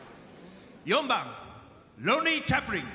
４番「ロンリー・チャップリン」。